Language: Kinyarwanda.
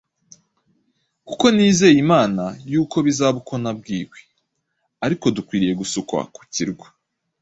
kuko nizeye Imana yuko bizaba uko nabwiwe. ariko dukwiriye gusukwa ku kirwa